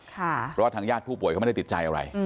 เพราะว่าทางญาติผู้ป่วยเขาไม่ได้ติดใจอะไร